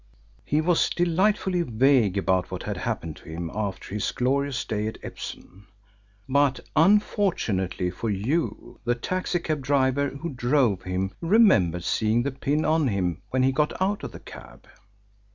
He was delightfully vague about what had happened to him after his glorious day at Epsom, but unfortunately for you the taxi cab driver who drove him remembered seeing the pin on him when he got out of the cab.